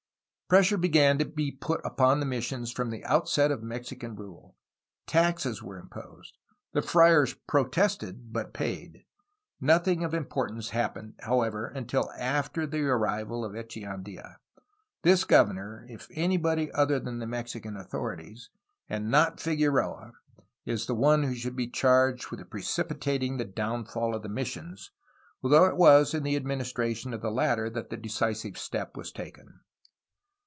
Pressure began to be put upon the missions from the outset of Mexican rule. Taxes were imposed. The friars protested, but paid. Nothing of importance happened, however, until after the arrival of Echeandla. This governor (if anybody other than the Mexican authorities), and not Figueroa, is the one who should be charged with precipitat ing the downfall of the missions, though it was in the ad ministration of the latter that the decisive step was taken.